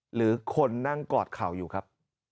หรือคนนั่งกอดเข่าอยู่ครับ